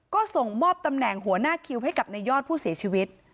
ก็ส่งมอบตำแหน่งหัวหน้าคิวให้กับในยอดผู้เสียชีวิต